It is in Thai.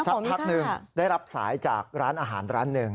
สักพักหนึ่งได้รับสายจากร้านอาหารร้านหนึ่ง